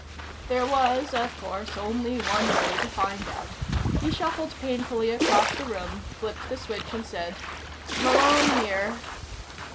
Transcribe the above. There was, of course, only one way to find out. He shuffled painfully across the room, flipped the switch and said: "Malone here."